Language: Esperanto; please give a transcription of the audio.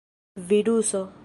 viruso